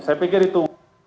saya pikir itu